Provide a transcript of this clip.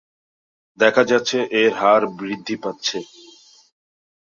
দেখা যাচ্ছে এর হার বৃদ্ধি পাচ্ছে।